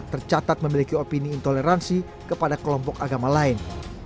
tercatat memiliki opini intoleransi kepada kelompok agama lain